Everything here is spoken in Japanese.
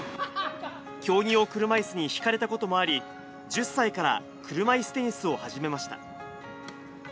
競技用車いすにひかれたこともあり、１０歳から車いすテニスを始めました。